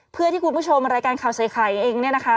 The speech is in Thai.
เพื่อที่คุณผู้ชมรายการข่าวใส่ไข่เองเนี่ยนะคะ